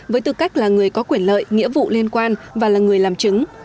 với tư cách là người có quyền lợi nghĩa vụ liên quan và là người làm chứng